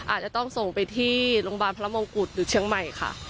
อาจจะต้องส่งไปที่โรงพยาบาลพระมงกุฎหรือเชียงใหม่ค่ะ